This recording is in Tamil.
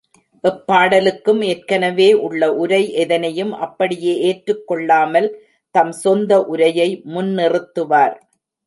எப்பாடலுக்கும் ஏற்கனவே உள்ள உரை எதனையும் அப்படியே ஏற்றுக் கொள்ளாமல் தம் சொந்த உரையை முன்னிறுத்துவார்.